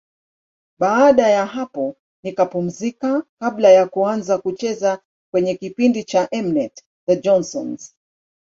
Baada ya hapo nikapumzika kabla ya kuanza kucheza kwenye kipindi cha M-net, The Johnsons.